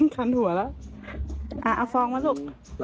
คันหัวแล้วเอาฟองมาลูก